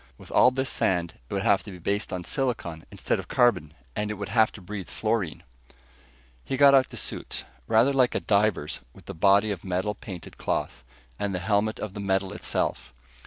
With all this sand, it would have to be based on silicon instead of carbon and it would have to breathe fluorine!" He got out the suits rather like a diver's with the body of metal painted cloth, and the helmet of the metal itself.